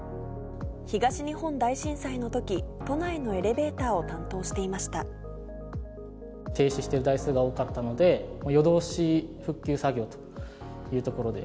東日本大震災のとき、都内のエレ停止している台数が多かったので、夜通し復旧作業というところで。